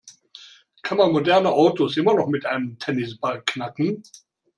Kann man moderne Autos immer noch mit einem Tennisball knacken?